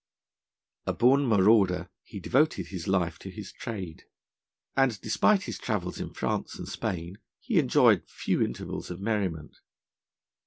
A born marauder, he devoted his life to his trade; and, despite his travels in France and Spain, he enjoyed few intervals of merriment.